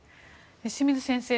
清水先生